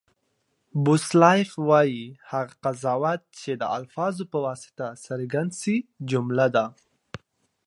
بوسلایف وایي، هغه قضاوت، چي د الفاظو په واسطه څرګند سي؛ جمله ده.